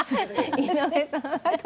井上さんは。